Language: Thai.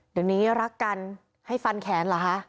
เดี๋ยวนี้รักกันให้ฟันแขนเหรอคะ